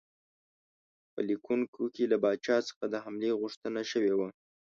په لیکونو کې له پاچا څخه د حملې غوښتنه شوې وه.